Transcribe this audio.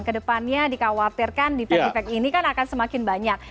kedepannya dikhawatirkan defect defect ini kan akan semakin banyak